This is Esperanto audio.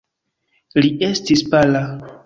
Li estis pala.